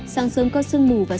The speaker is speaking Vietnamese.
sáng sớm có sương mù và sông